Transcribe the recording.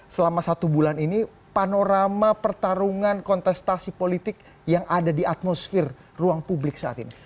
selama satu bulan ini panorama pertarungan kontestasi politik yang ada di atmosfer ruang publik saat ini